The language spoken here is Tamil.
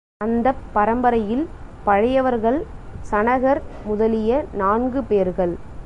அந்தப் பரம்பரையில் பழையவர்கள் சனகர் முதலிய நான்கு பேர்கள்.